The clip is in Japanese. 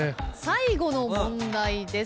最後の問題です。